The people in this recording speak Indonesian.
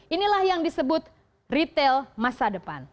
inilah yang disebut retail masa depan